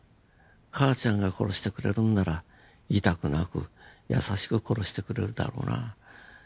母ちゃんが殺してくれるんなら痛くなく優しく殺してくれるだろうな。